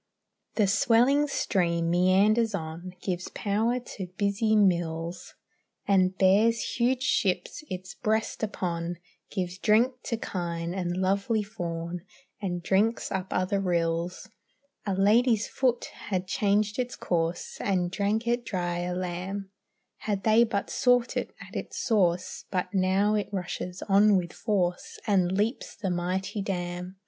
The swelling stream meanders on, Gives power to busy mills, And bears huge ships its breast upon, Gives drink to kine and lovely fawn, And drinks up other rills. A lady's foot had changed its course, And drank it dry a lamb, Had they but sought it at its source; But now it rushes on with force And leaps the mighty dam.